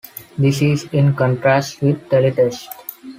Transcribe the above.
This is in contrast with teletext.